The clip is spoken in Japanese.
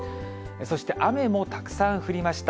そして雨もたくさん降りました。